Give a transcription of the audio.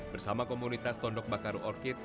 bersama komunitas tondok bakaru orchid